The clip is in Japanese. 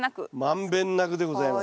満遍なくでございます。